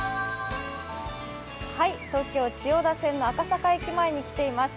東京・千代田線の赤坂駅前に来ています。